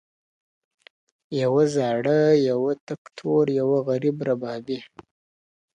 يوه زاړه، يوه تک تور، يوه غریب ربابي.